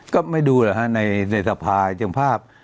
ก็ไม่ดูแหละในสภาจังภาพ